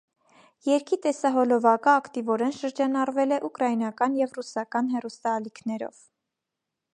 Երգի տեսահոլովակը ակտիվորեն շրջանառվել է ուկրաինական և ռուսական հեռուստաալիքներով։